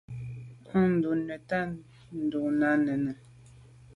À dun neta dut nà nène.